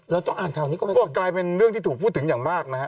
แล้วต้องอ่านข่าวนี้ก็ไม่ค่อยว่ากลายเป็นเรื่องที่ถูกพูดถึงอย่างมากนะฮะ